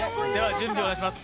準備をお願いします。